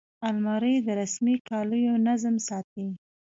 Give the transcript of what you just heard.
الماري د رسمي کالیو نظم ساتي